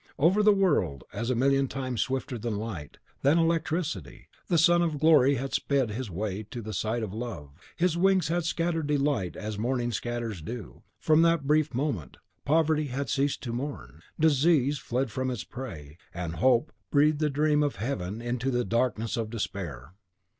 Over the world, as a million times swifter than light, than electricity, the Son of Glory had sped his way to the side of love, his wings had scattered delight as the morning scatters dew. For that brief moment, Poverty had ceased to mourn, Disease fled from its prey, and Hope breathed a dream of Heaven into the darkness of Despair.